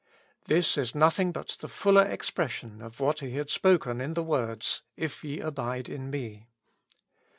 This is nothing but the fuller expression of what He had spoken in the words, " If ye abide in me."